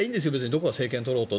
どこが政権取ろうと。